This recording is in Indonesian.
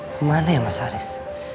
kemana ya mas haris